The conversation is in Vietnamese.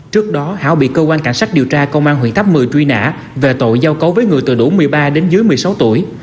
trước đó hảo bị cơ quan cảnh sát điều tra công an huyện tháp một mươi truy nã về tội giao cấu với người từ đủ một mươi ba đến dưới một mươi sáu tuổi